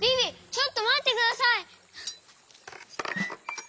ちょっとまってください！